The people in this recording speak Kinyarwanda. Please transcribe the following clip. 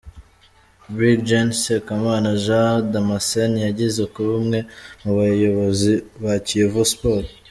Brig Gen Sekamana Jean Damascene yigeze kuba umwe mu bayobozi ba Kiyovu Sports.